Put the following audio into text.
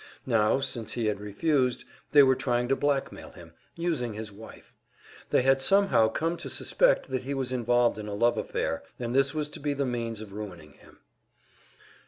Now, since he had refused, they were trying to blackmail him, using his wife. They had somehow come to suspect that he was involved in a love affair, and this was to be the means of ruining him.